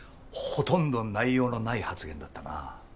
ほとんど内容のない発言だったな。